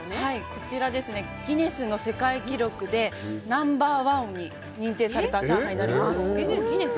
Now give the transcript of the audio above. こちら、ギネスの世界記録でナンバー１に認定されたチャーハンになります。